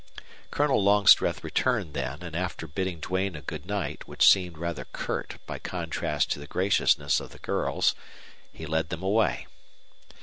Colonel Longstreth returned then, and after bidding Duane a good night, which seemed rather curt by contrast to the graciousness of the girls, he led them away.